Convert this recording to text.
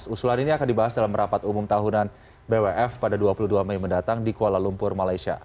usulan ini akan dibahas dalam rapat umum tahunan bwf pada dua puluh dua mei mendatang di kuala lumpur malaysia